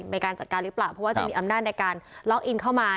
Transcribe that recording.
ในการจัดการหรือเปล่าเพราะว่าจะมีอำนาจในการล็อกอินเข้ามา